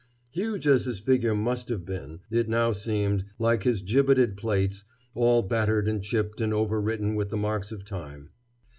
Huge as his figure must once have been, it now seemed, like his gibbeted plates, all battered and chipped and over written with the marks of time.